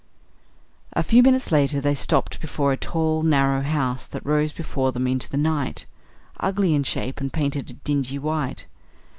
A few minutes later they stopped before a tall, narrow house that rose before them into the night, ugly in shape and painted a dingy white.